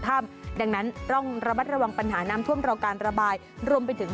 ดังนั้นต้องระมัดระวังปัญหาน้ำท่วมรอการระบายรวมไปถึง